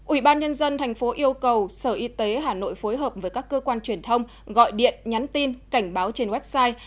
ubnd tp yêu cầu sở y tế hà nội phối hợp với các cơ quan truyền thông gọi điện nhắn tin cảnh báo trên website